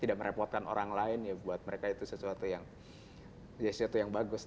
tidak merepotkan orang lain ya buat mereka itu sesuatu yang sesuatu yang bagus